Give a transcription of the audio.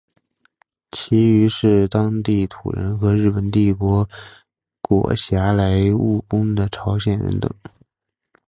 其余是当地土人和日本帝国裹挟来务工的朝鲜人等。